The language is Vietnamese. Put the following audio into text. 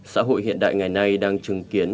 xã hội hiện đại ngày nay đang chứng kiến